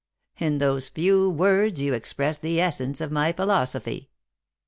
" In those few words you express the essence of my philosophy."